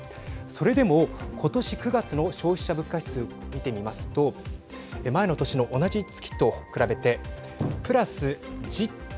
それでも今年９月の消費者物価指数見てみますと前の年の同じ月と比べてプラス１０．１％